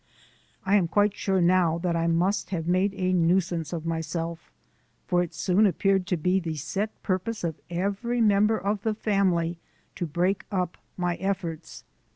I am quite sure now that I must have made a nuisance of myself, for it soon appeared to be the set purpose of every member of the family to break up my efforts.